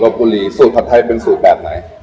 บุรีสูตรผัดไทยเป็นสูตรแบบไหน